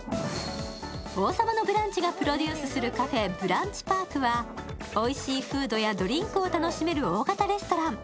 「王様のブランチ」がプロデュースするカフェ、ＢＲＵＮＣＨＰＡＲＫはおいしいフードやドリンクを楽しめる大型レストラン。